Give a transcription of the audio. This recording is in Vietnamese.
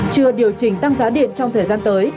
chưa điều chỉnh tăng giá điện trong thời gian tới